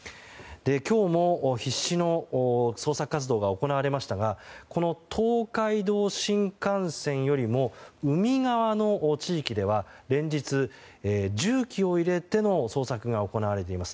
今日も必死の捜索活動が行われましたがこの東海道新幹線よりも海側の地域では連日、重機を入れての捜索が行われています。